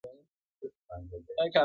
د هغوی به پر اغزیو وي خوبونه!.